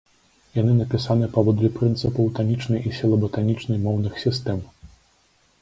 Яны напісаны паводле прынцыпаў танічнай і сілаба-танічнай моўных сістэм.